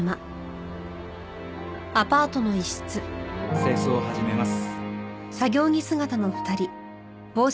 清掃始めます。